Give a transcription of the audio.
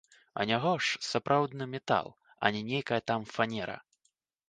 Анягож, сапраўдны метал, а не нейкая там фанера!